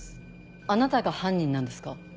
あなたが犯人なんですか？